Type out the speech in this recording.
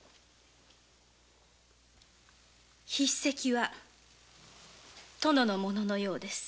筆跡は殿のもののようです。